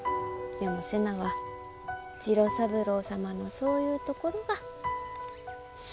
でも瀬名は次郎三郎様のそういうところが好。